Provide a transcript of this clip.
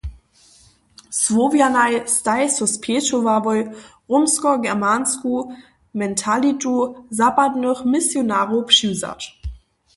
Słowjanaj staj so spjećowałoj, romsko-germansku mentalitu zapadnych misionarow přiwzać.